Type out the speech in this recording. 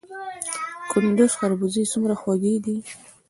د کندز خربوزې څومره خوږې دي؟